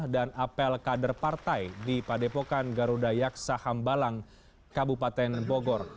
dan apel kader partai di padepokan garuda yaksa hambalang kabupaten bogor